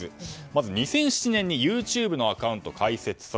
まず２００７年にＹｏｕＴｕｂｅのアカウント開設